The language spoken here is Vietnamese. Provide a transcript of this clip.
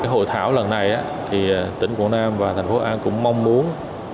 hội thảo lần này tỉnh quảng nam và thành phố an cũng mong muốn